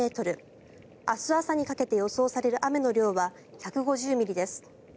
明日朝にかけて予想される雨の量は１５０ミリです。